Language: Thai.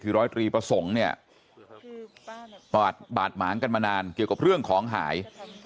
คือร้อยตรีประสงค์เนี่ยบาดหมางกันมานานเกี่ยวกับเรื่องของหาย